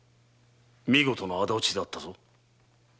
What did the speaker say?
見事な仇討ちであったぞ。